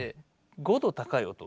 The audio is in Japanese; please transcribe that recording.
５度高い音。